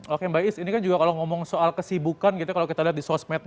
oke mbak is ini kan juga kalau ngomong soal kesibukan gitu kalau kita lihat di sosmed